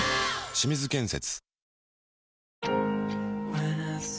清水建設